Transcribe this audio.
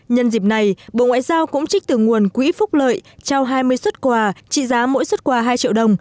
nhân dịp này bộ ngoại giao cũng trích từ nguồn quỹ phúc lợi trao hai mươi xuất quà trị giá mỗi xuất quà hai triệu đồng